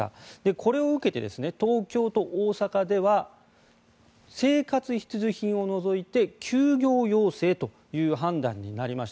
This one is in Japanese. これを受けて東京と大阪では生活必需品を除いて休業要請という判断になりました。